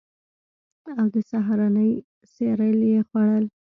او د سهارنۍ سیریل یې خوړل